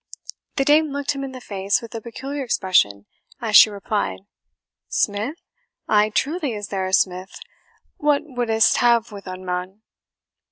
The dame looked him in the face with a peculiar expression as she replied, "Smith! ay, truly is there a smith what wouldst ha' wi' un, mon?"